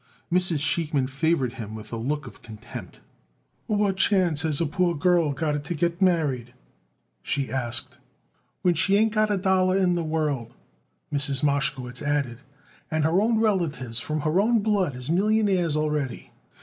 Mrs. Sheikman favored him with a look of contempt. "What chance has a poor girl got it to get married?" she asked. "When she ain't got a dollar in the world," Mrs. Mashkowitz added. "And her own relatives from her own blood is millionaires already."